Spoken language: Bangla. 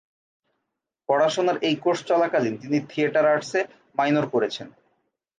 পড়াশোনার এই কোর্স চলাকালীন, তিনি থিয়েটার আর্টসে মাইনর করেছেন।